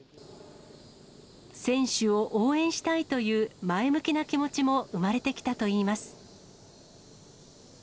選手を応援したいという前向きな気持ちも生まれてきたといいます。